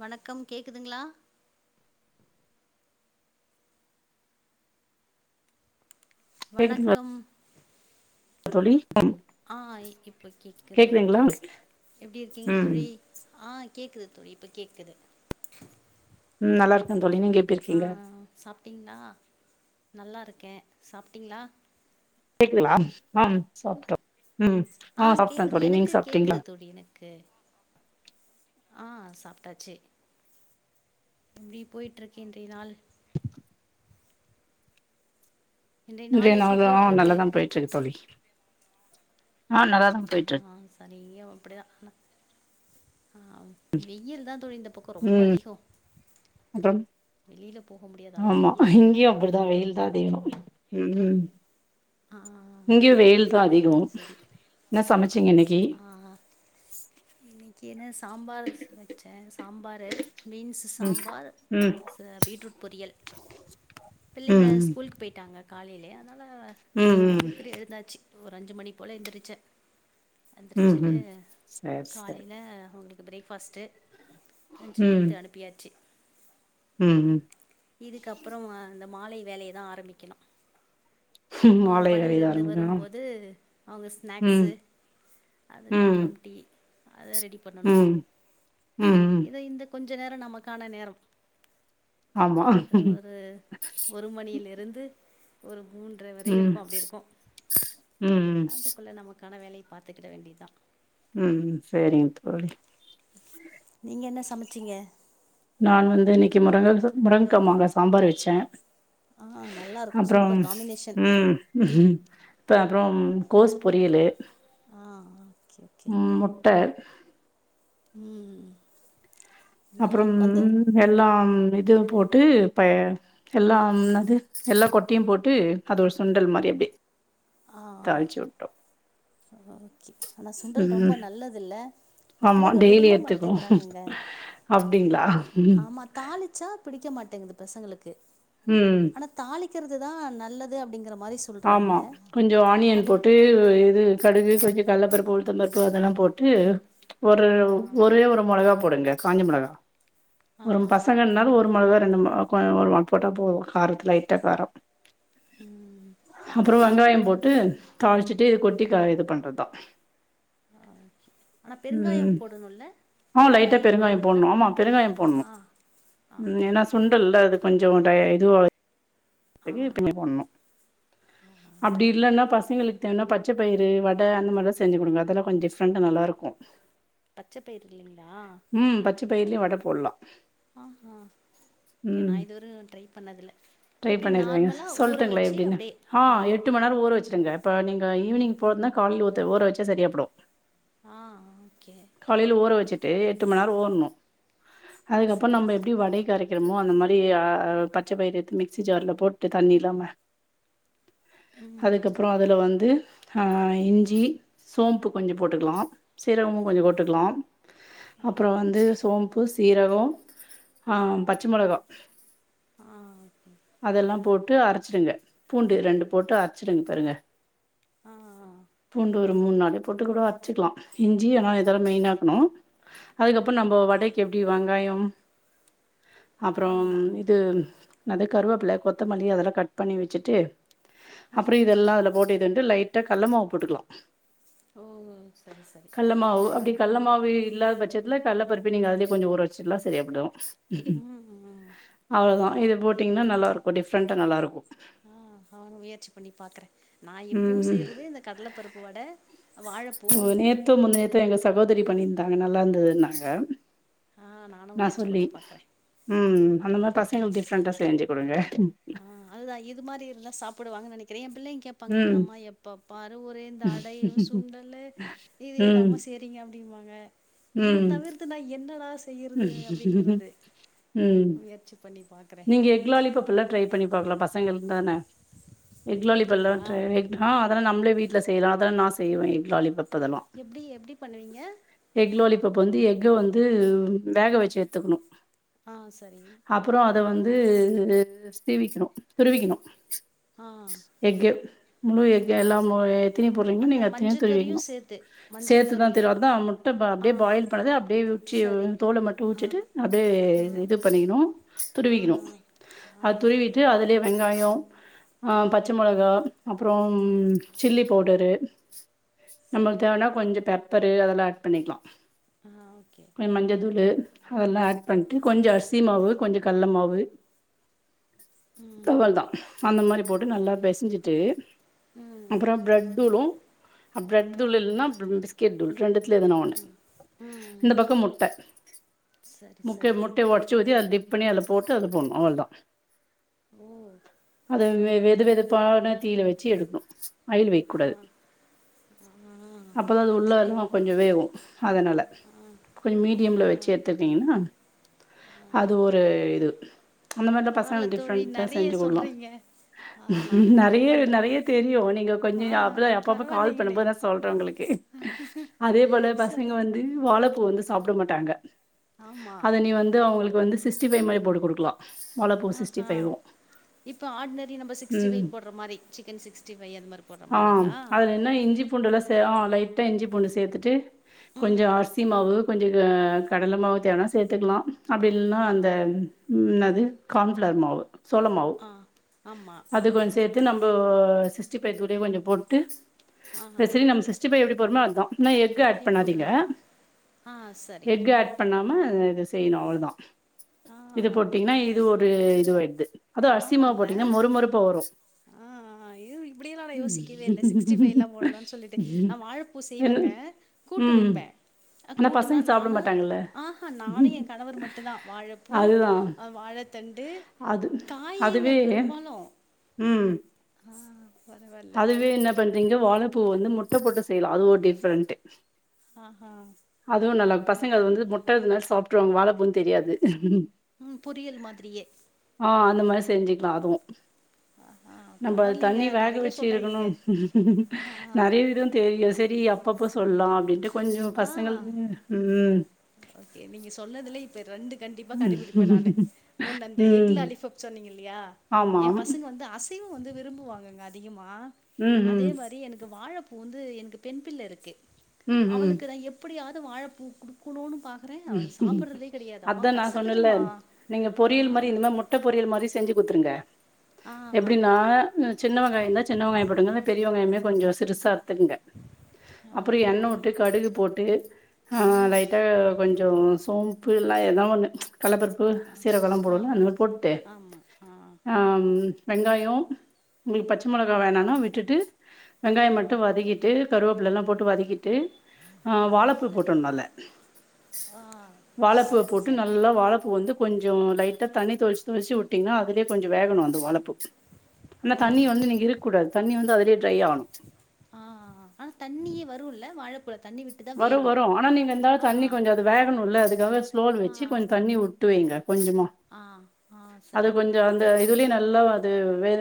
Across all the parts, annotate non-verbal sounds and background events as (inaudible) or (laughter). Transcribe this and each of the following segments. வணக்கம் கேக்குதுங்ளா கேக்குதுங்களா வணக்கம் தோழி ஆ இப்ப கேக்குது கேக்குதுங்களா ஓகே எப்டி இருக்கிங்க ம் தோழி ஆ கேக்குது தோழி இப்ப கேக்குது ம் நல்லாருக்கன் தோழி நீங்க எப்டி இருக்கிங்க டிங்ளா நல்லாருக்கே சாப்டிங்ளா கேக்குதுலா அம் சாப்ட்டோ ம் ஆ சாப்ட்டே கேக்குது தோழி நீங்க எனக்கு சாப்ட்டீங்களா கேக்குது தோழி எனக்கு ஆ சாப்ட்டாச்சு ப்டி போயிட்ருக்கு இன்றிய நாள் இன்றைய இன்றய நாள் எப்படி நாள்தா போயிட்டுருக்கு நல்லாதா பேயிட்ருக்கு தோழி ஆ நல்லாதா போயிட்ருக் நீயு அப்டிதா ஹா வெய்யில் தா தோழி இந்தப் பக்கோ ரொம்ப ம் அதிகோ அப்புறம் வெளில போக முடியாது அளவு ஆமா வெய்யில் இங்கேயு அப்டிதா வெயில் தா அதிகோ ம் ஹும் இங்யு வெயில்தா அதீ சரி உம் சரி என்ன சமச்சீங்க உம் கெனஸ் சாம்பார் சமச்சேன்ஸ் ஆம்பாரு பீன்ஸ்சு ம் சாம்பார் ம் சே பீட்ரூட் பொரியல் பிள்ளைங்க ம் ஸ்கூல்கு போயிட்டாங்க காலைலியே அதனால ம் ம் சீக்கிரோ எழுந்தாச்சி ஓர் அஞ்சு மணி போல எந்திரிச்சே ம் எந்திரிச்சுட்டு ம் சேர் சேர் காலில உங்களுக் பிரேக்ஃபாஸ்ட்டு லஞ்சு குடுத்து அனுப்பியாச்சி ம் ம் இதுக்கப்புறோ ஆ அந்த மாலை வேலைய தா ஆரம்பிக்கணு ம் அவுங்க மாலை பள்ளில வேலைதா இருந்து ஆரம்பிக்கணு வரும்போது அவுங்க ஸ்நாக்ஸ் ம் ம் அதுக்கப்புறோம் டீ அத ரெடி பண்ணனு ம் ம் ம் கொஞ்சோ நேரோ நமக்கான நேரம் ஆமா ம் ஒரு ஒரு மணியில இருந்து ஒரு மூன்றைவரைய் இருக்கோ அப்டி இருக்கோ உம் க்கான வேலைய பாத்துக்கிட வேண்டிய தா உம் உம் செரிங்க தோழி நீங்க என்ன சமச்சீங்க கி முருங்க முருங்கா மாங்க சாம்பார் வச்சே ஆ நல்லாயிருக்கும் அப்றோ சூப்பர் உம் காம்பினேஷன் உம் ப்ப அப்றோ கோஸ் பொரியலு ஆ ஓகே உம் முட்ட உம் அப்றோ எல்லா இது போட்டு ப எல்லா என்னது எல்லா கொட்டையு போட்டு அது ஒரு சுண்டல் மாரி அப்டியே தாள்சுட்டோ ஆஹ ஆனா சுண்டல் ரொம்ப நல்லதுல்ல இந்த ஆமா பிள்ளைங்க விரும்ப மாட்டேங்கிறாங்கங்க ப்டிங்களா ஆமா தாளிச்சா பிடிக்க மாட் எங்க பசங்களுக்கு ம் க் ஆனா தாளிக் க்கிறது தா நல்லது அப்படிங்கறோம் ஆமா கொஞ்சோ ஆனியன் போட்டு இது கடுகு கொஞ் கல்லப்பருப்பு உளுத்த பருப்பு அதெல்லா போட்டு ஒரு ஆ ஒரே ஒரு மொளகா டுங்க காஞ்சமிளகா ஒரும் ஆ பசங்கன்னாலு ஒரு ஒரு மொளகா ரெண்டு ம கொஅ மொகா போட்டா போரும் காரத்துல லைட்டா காரம் ம் அப்றோ வெங்காயம் போட்டு தாளிச்சிட்டு கொட்டி இது பண்றதுதான் ஆனா உம் பெருங்காயம் போடணுல்ல ஆ லைட்டா பெருங்காயம் பெருங்காயோ போடலாங்களா போண்ணு ஆமா பெருங்காயோ ஆ போண்ணு ஆமா உம் ஏன்னா ஆமா சுண்டல்ல்ல அது கொஞ்ச் (unintelligible) ஆ (unintelligible) அப்டி இல்லன்னா பச பசங்களுக்கு தேவனா பச்ச பயிறு வடை அந்த மாதிரிலாம் செஞ்சு கொடுங்க அதல்லாம் கொஞ்சம் டிஃப்ரண்ட் நல்லா இருக்கும் பச்சை பயிர் இல்லைங்களா பச்ச ஓ பயிர்லயு வட போட்லா ஆஹ்ஹ் ம். நான் இதுவரை ட்ரை பண்ணதுல ட்ரை பண்ணிரேங்க சொல்லட்டுங்களா எப்படின்னு ஆஹ அப்டியே எட்டு மணிநேரம் ஊற வச்சிருங்க இப்ப நீங்க ஈவினி்ங் போரன்னா கால ஊற வச்ச சரியாப்படும் ஆ ஓகே காலையில ஊற வச்சுரு தே எட்டு மணி நேரம் ஊரனும் அதுக்கப்புறம் சரி நம்ம சரி எப்படி வடை கரைக்க க்கமோ அந்த மாதிரி பச்சை பயிறிருத்து மிக்ஸ் மிக்ஸி ஜார்ல போட்டு தண்ணி இல்லாம ம் அதுக்கப்புறம் அதுல வந்து ஆஹ் இஞ்சி சோம்ப்பு கொஞ்ச போட்டுக்கலாம் சீரகமு கொஞ்ச போட்டுக்கலாம் ஆ அப்புறம் வந்து சோம்ப்பு சீரகம் ஹ பச்சை மொளகா ஆஹ் அதெல்லாம் போட்டு அரைச்சிடுங்க பூண்டு ரெண்டு போட்டு அரைச்சிடுங்க பாருங்க ஆ ஆ பூண்டு மூணு (unintelligible) போட்டு கூட அரைச்சுக்கலா இஞ்சி ஆனா இதெல்லா மெயினா இருக்கணு அதுக்கப்புறோ நம்ம வடைக்கி எப்டி வெங்காயோ அப்றோ ஆமா இது (unintelligible) கருவேப்பில கொத்தமல்லி அதெல்லா கட் பண்ணி வச்சுட்டு அப்றோ ம் ம் இதெல்லா அதுல போட்டு இது பண்ட்டு லை ட்ட கல்ல மாவு போட்டுக்கலா ஓ சரி சரி கள்ள மாவு இல்லாத பட்சத்துல கள்ள பருப்பே நீங்க அதலே கொஞ்சம் ஊற வச்சுட்லாம் சரியப் போயிடு ம் ம் அவ்வளோதான் இது பரவால்ல போட் நல்லா இருக்கும் டிஃப்ரண்டா நல்லா இருக்கும் ஆஹ் நானு முயற்சி பண்ணி பாக்குறேன் நான் எப்பவும் ம் செய்யறது இந்த கடல பருப்பு வடை வாழப்பூ நேத்தோ முந்தாநேத்தோ எங்க சகோதரி பண்ணியிருந்தாங்க நல்லா இருந்தது நாங்க ஆ நானு நான் முயற்சி சொல்லி பண்ணி பாக்குறே உம் அந்தமார் பசங்க டிஃரண்ட்டா செ ஆஹ் அதுதான் இது மாதிரி இருந்தா சாப்பிடுவாங்க நெனைக் (unintelligible) பிள்ளைங்க கேப்பாங்க ம். என்னம்மா எப்பப்பாரு ஒரே இந்த அடையும் சுண்டலு இதேதான் மா ம். செய்றீங்க அப்டின்னு வாங்க இத ம். தவிர்த்து நா என்னடா செய்யுறது அப்டிங்கறது ம். முயற்சி நீப்ப நீங்க எக்லாலிபாப்ல்லா ட்ரை பண்ணி பாக்கலா பசங்களுக் தான எக்லாலிப் எல்லா அப்டிங்களா ட்ரை அஹ் அதல்லா நம்ளே வீட் செய்யலாம் அதான் நான் செய்வேன் எஃகு லாலிபப் எப்டி எப்டி பண்ணுவீங்க இப்ப வந்து எஃக வந்து வேக வெச்சு எடுத்துக்கணும் ஆஹ் சரி அப்புறம் அத வந்து இது சிவிக்கும் துருவிக்கணும் ஆ எஃகு முழு எஃகு ஆ எல்லா மு சரி எத்தினி போடுறீங்களோ அந்த நீங்க மஞ்ச எத்தனியும் கறியு துருவிக்கணும் சேத்து மஞ்சள் சேத்துதான் கருவியு திர அ தான் முட்ட ஆ அப்டியே பாயில் பண்ணது அப்டியே உச்சி சரி தோல மட்டும் ஆ உச்சிட்டு அப்டியே ஆ இது பண்ணிகணும் ஆ துருவிகணும் ஆ ஆ ஆ அது துருவிட்டு அதுலே வெங்காயம் பச்ச மொளகா அப்புறம் சில்லி பவுடரு நம்மளுக் சரி தேவனா கொஞ்ச பெப் பெப்பரு அதெலா ஆட் பண்ணிகலா ஆ ஓகே கொஞ்ச மஞ்ச தூளு அதலா ஆட் பன்ட்டு கொஞ்ச அரிசி மாவு கொஞ்ச கல்ல மாவு ம் தவல் தா அந்த மாரி போட்டு நல்லா ஓகே பெசஞ்சிட்டு ம் அப்புறோ பிரெட் தூளு அ ப்ரட் தூள் ம் இல்னா ப் பிஸ்கெட் தூள் ரெண்டுது துல எதுனா ஒண்ணு ம் இந்த பக்கோ முட்ட சரி முட்ட சரி முட்ட ஒடச்சு ஊத்தி அத் இப்ப நீ அதல போட்டு அதுல போடணு அவள்தா ஓ அது வெ வெது வெதுப்பான தீழ வச் சி எடுக்குனு அயில் வொக் ஆ கூடாது ஆ அப்பதா அது உள்ள சரி எல்லா கொஞ்சோ வேவு அதனால கொஞ்ச மீடியம்ல வச்சி எடுத்துடீங்கனா அது ஒரு ஏது அந்த மாரிதா பரவால்ல பசங்க தோழி டிப்ஃரெண்டா நெறைய செஞ்சு கொட்லா சொல்றீங்க ஆ நானு ட்ரை நெறய பண்றே நெறய தெரியு நீங்க கொஞ்சோ ஆ அப்பதா எப்பப்ப கால் பண்ணு பரவால்லைங்களே போத் நா சொல்றே உங்களுக்கு அதே போல பசங்க சரி வந்து வாழ வந்து சாப்ட மாட்டாங்க ஆமா அத நீ வந்து அவுங்களுக்கு வந்து சிக்ஸ்டி பை மாரி போட்டு குடுக்கலா வாழப்பூ சிக்ஸ்டி ஆஹா ஃபைவு இப்ப ஆட்னரி நம்ப ம் சிக்ஸ்டிபை போட்ற மாரி சிக்கன் சிக்ஸ்டிபை அந்த மாரி போட்ற ஆ மாரிங்களா ட்ட இஞ்சி பூண்ட் சேத்துட்டு கொஞ்சோ அர்சி மாவு கொஞ்சோ இது அ கடல மாவு தேவனா சேத்துகலா அப்டி இல்னா ஆ ம் அது கான்ஃபளார் மாவு சோளமாவு ஆ ஆமா ஆ அது கொஞ்ச் சேத்து நம்ப அ சிஸ்டி பை தூளே கொஞ்சோ போட்டு ஆஹா இப்ப சிரி நம்ம சிஸ்டி பை எப்டி பண்ணோ அதா என்னா எக் ஆட் அப்டியே பண்ணாதீங்க போட்றலா ஆ சரி எக் ஆட் பண்ணா (unintelligible) செய்யனு அவ்ளதா ஆ இது போட்டீங்கனா இது ஒரு இது வாய்டு இந்த சு ஆமால்ல ஆ இது இப்டில்லா நா யோசிக்கவே இல்ல சிக்ஸ்டி ஃபை எல்லா போடலன் சொல்லிட்டு நா வாழப்பூ என்ன செய்வங்க கூட்டு ம் வெப்ப அ ஆனா கூட்டுனா பசங்க சாப்ட நானு மாட்டாங்கல்ல ஆஹா நானு எ கணவர் மட்டு தா வாழப் பூ அதுதான். அ வாழத்தண்டு அது காயேங்க அதுவே பெரும்பாலு ம். ஆ பரவால்ல. அதுவே என்ன பண் நீங்க வாழப்பூ வந்து முட்ட போட்டு செய்யலா அது ஒரு டிஃப்ரெண்ட் ஆஹா! அதுவ் நல்லது பசங்க அது ஓகே. வந்து முட்ட இதுனா சாப் அப்புறம் வாழப்பூ தெரியாது ம் பொியல் மாதிரியே ஆ அந்த மாதிரி செஞ்சிக்கலா அதுவோ ஆஹா! நம்ப அது பரவால்லைங்க. தண்ணி வேக நெறைய வச்சு இருக்கணோ சொல்றீங்கங்க. ஆ. நறைய விதோ தெரியோ சரி அப்பப்ப சொல்லலா அப்டின்ட்டு கொஞ்சோ ஆ. பசங்கள் ம் ஓகே நீங்க சொன்னதுல இப்ப ரெண்டு கண்டிப்பா கடபிடிப்ப நானு ஒன் அந்த எக் ம். லாலிபப் சொன்னீங்க யா ஆமா. ஏ பசங்க வந்து அசைவ வந்து விரும்புவங்கங்க அதிகமாக ம ம், அதே ம். மாரி எனக்கு வாழப்பூ இப்போ வந்து எனக்கு பெண் பிள்ள ருக்கு அவளுக்குதா ம், எப்டியாச் வாழபூ குடுக் குனு அதா நா சொன்னல கசக்குதும்மா. நீங்க பொரியல் மாரி இந்த ஆ. மாரி முட்டை பொறியல் மாரி செஞ்சு குடுத்ருங்க ஆ ஆ எப்டினா சின்ன வெங்காயம்இருந்தா சின்வெங்காய போடுங்க பெரியவங்காயம்மே கொஞ்சம் சிறுசா ங்க அப்புறம் ஓகே எண்ணெ வுட்டு கடுகு போட் ட் ஆ ம் லைட்டா கொஞ்ச சோம்பு இல்ல ஏதா ஒண்ணு கல்லப்பருப்பு ஆ சீரக்கழம் ஆ போடனும்ல அந்த மாதிரி போட்டுட்டு ஆமா ஆ ம் வெங்காயம் உங்களுக்கு பச்ச மிளகா வேணாம்னா விட்டுட்டு ம் வெங்காயம் ம் மட்டும் வதக்கிட்டு கருவேப்பல எல்லாம் போட்டு வதக்கிட்டு ஆ வாழப்பூ சரி போட்டுடனும் அதுல ஆ வாழப்பு சரி போட்டு சரி நல்லா வாழ வந்து கொஞ்சம் லைட்டாக தண்ணி தொளிச்சு தொளிச்சி வுட்டீங்கன்னா அதுலே கொஞ்சம் வேகணும் அந்த வாழப்பு ஆனா தண்ணி வந்து நீங்க இருக்கக்கூடாது தண்ணி வந்து அத ஆங் ஆனா தண்ணியே வரும் இல்ல வாழைப்பழத் வரும் வரும் ஆனா நீங்க இருந்தாலும் தண்ணி கொஞ்சம் அது வேகணும் இல்ல அதுக்காக ஸ்லோல ஆ வெச்சு கொஞ்சம் தண்ணி துவயுங்க கொஞ்சமா ஆ ஆ அது சரி கொஞ்சம் அந்த இதுல நல்லா அது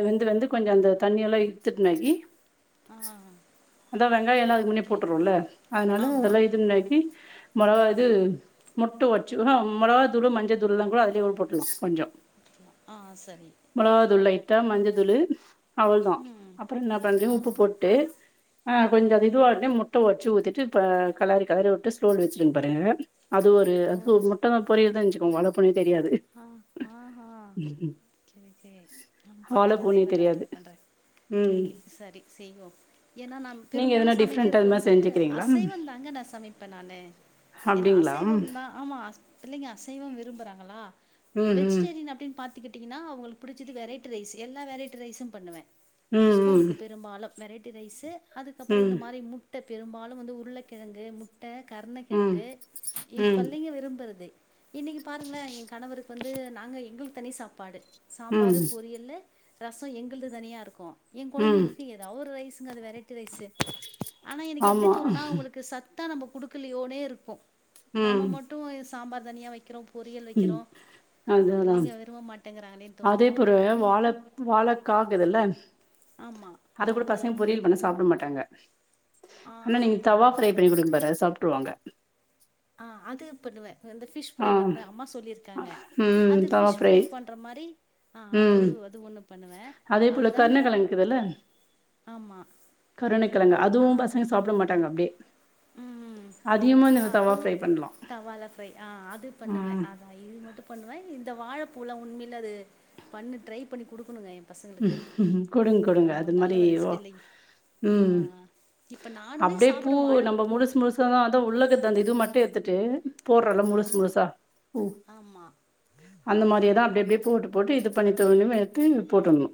வெந்து வெந்து கொஞ்சம் அந்த தண்ணி எல்லாம் இல்துட்டுனகி ஆ அதான் வெங்காயம் எல்லாம் அதுக்கு முன்னே ஓகே போட்டுறோம்ல அதனால ஆமா அதெல்லாம் இது முண்டாக்கி மொளகா இது முட்டை வச்சு அஹ் ஹான் மொளகா தூள் மஞ்ச தூள்ல்லாம் கூட அதுலயே போட்டுல்லாம் கொஞ்சம் ஆங் சரி ட்டா மஞ்சதூளு அவ்வளோதான் ம் அப்புறம் என்ன பண்ரிங்க ஆ உப்பு போட்டு அஹ் ஆ கொஞ்சம் அது இதுவாகட்டும் முட் முட்ட ஒடுச்சு ஊத்தி விட்டுப்ப கலரி கலரி உட்டு ஸ்லோல் வச்சிருகன்னனு பாருங்க அது ஒரு அது முட்ட தான் பொரியதான்ச்சு (unintelligible) வல பொழி ஆங் ஆங் நா பாக்குறேன் அதே வாழப்பூனே மாதிரி நான் தெரியாது ட்ரை பண்றேன் ம் ஓகே சரி செய்வோம் ஏன்னா நான் நீங்க எதனா பெரும்பாலும் டிஃப்ரெண்டா சமைக்கிறது அது மாரி வந்து செஞ்சுக்கிறீங்களா அசைவம் தாங்க நான் சமைப்பேன் நானு அப்டிங்களா என்னஅசைவம் தான் ஆமா பிள்ளைங்க அசைவம் விரும் போறாங்களா ம் ம் வெஜிடேரியன் அப்படின்னு பாத்துக்கிட் த்திங்கன்னா அவங்களுக்கு பிடிச்சது வெரைட்டி ரைஸ் எல்லா வெரைட்டி ரைஸும் பண்ணுவேன். ம் ஸ்கூலுக்கு பெரும்பாலும். வெரைட்டி ரைஸ்சு அதுக்கப்புறம் இந்த ம் மாரி முட் ட்ட பெரும்பாலும் வந்து உருளக்கெழங்கு முட் ட்ட ம் கருணக்கெழங்கு இ ம் ம் பள்ளைங்க விரும்புறது. இன்னைக்கு பாருங்களே எங் கணவருக்கு வந்து நாங்க எங்களுக்கு தனி சாப்பாடு. ம் சாம்பாரு பொரியல்லு ரசம் எங்கள்து தனியா இருக்கு என் ம் கொழந்தைங்களுக்கு ஏதாது ஒரு ரைஸ் ங்கது வெரை ட்டி ரைஸ் ஆனா எனக்கு எப்டி ஆமா தோணுனா அவுங்களுக்கு சத் தா நம்ம குடுக்கலையோனே இருப்போம். ம் நம்ம மட்டு இ சாம்பார் தனியா வக்கிறோ பொரியல் ம் வக்கிறோ நம்ம அதுதா பிள்ளைங்க விரும்ப மாட் அதே பொற வாழ வாழக்காக்குதுல ஆமா அது கூட பசங் பொரியல் பண்ணா சாப்ட மாட்டாங்க ஆ ஆனா நீங்க ஆமா தவா ஆமா ஃப்ரை பண்ணி குடுக்கபார சாப்ட் டுவாங்க ஆஹ் அது பண்ணுவே அ இந்த ஃபிஷ் ஆ ஃப்ரை பண்றே அம்மா சொல்லிருக்காங்க ம் அது தவா ஃபிஷ் ஃப்ரை பண்ற மாரி ஆஹ் அது ம் அது ஒன்னு பண்ணுவே அதே போல அதுதாங்க கருணக்கெழங்கு இருக்குதுல்ல ஆமா கருணக்கெழங்கு அதுவு பசங்க சாப்ட மாட்டாங் உம் அப்டே உம் உம் ஆஹ் அதுவு ஃப்ரை பண்லா தவால ஃப்ரை ஆஹ் அது பண்ணுவே ம் அதா இது மட்டு பண்ணுவே இந்த வாழப்பூலா உண்மைல அது பண்ணு ட்ரை பண்ணி குடுக்கணுங்க எ பசங்களுக்கு உம் குடுங்க அ குடுங்க ரொம்ப அது நல்ல மாரி ஒரு ஏதோ ரெசிபி இல்லைங் உம் ஆ இப்ப நானுமே அப்டே சாப்பிடுவே பூவு நம்ப அ வாழைப்பூ முழுஸ் முழுஸ்சாதா வந்து உள்ளக்க தள்ளிட்டு மட் டேத்துட்டு போட்ரோல்ல ஆ முழுஸ் முழுஸா உம் ஆமா அந்த மாரியேதா அப்டி அப்டே போடு போட்டு இது பண்ணி (unintelligible) எடுத்து போட்றணு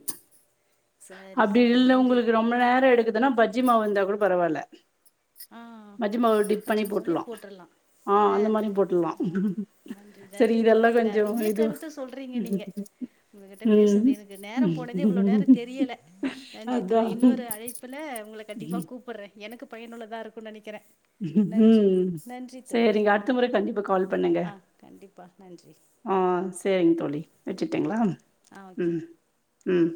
சரி அப்டி சரி இல்ல நன்றி உங்ளுக்கு ரொம்ப நேர எடுக்கு எதனா பஜ்ஜி மாவு இருந்தா கூட பரவால்ல ஆஹ் மஜ்ஜி மாவு டிப் பண்ணி பஜ்ஜிமாவ்லே போட்லா போட்றலா ஆ இல்ல அந்த மாரியு போட்லா ஆஹ் நன்றி சரி நன்றி இதெல்லா தோழி கொஞ்சோ நெறைய இது கருத்து சொல்றீங்க நீங்க உங்ககிட்ட ம் பேசுனது எனக்கு நேரம் போனதே இவ்ளோ நேர தெரியல நன்றி அதா தோழி இன்னொரு அழைப்புல உங்கள கண்டிப்பா கூப்புட்ற எனக்கு பயனுள்ள தா இருக்கு நெனைக் உம் தோழி சேரிங்க அடுத்த முற கண்டிப்பா கால் பண்ணுங்க ஆ கண்டிப்பா நன்றி ஆஹ் சேரிங்க தோழி வெச்சிட்டீங்ளா ஆஹ் ஓகே உம்